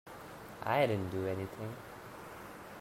I didn't do anything.